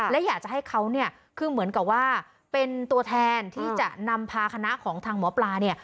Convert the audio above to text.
และอยากจะให้เขาเนี่ยคือเหมือนกับว่าเป็นตัวแทนที่จะนำพาคณะของทางหมอปลาเนี่ย